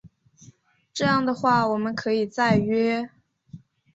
这样的话我们可以再约